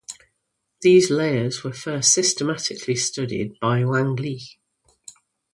These layers were first systematically studied by Wang Li.